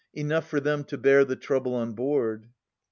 Enough for them to bear The trouble on board.